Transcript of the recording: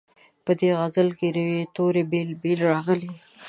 په دې غزل کې روي توري بېل بېل راغلي.